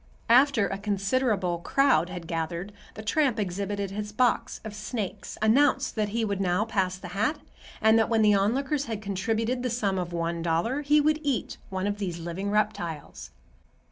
After a considerable crowd had gathered, the tramp exhibited his box of snakes, announced that he would now pass the hat, and that when the onlookers had contributed the sum of one dollar, he would eat "one of these living reptiles."